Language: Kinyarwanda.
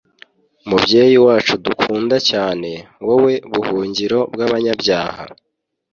mubyeyi wacu dukunda cyane, wowe buhungiro bw’abanyabyaha